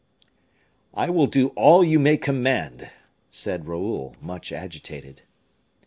"I will do all you may command," said Raoul, much agitated.